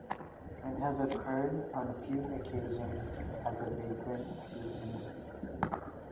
It has occurred on a few occasions as a vagrant to England.